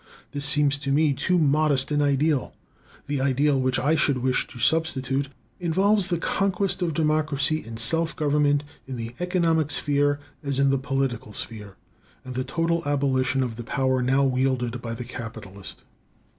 This seems to me too modest an ideal. The ideal which I should wish to substitute involves the conquest of democracy and self government in the economic sphere as in the political sphere, and the total abolition of the power now wielded by the capitalist.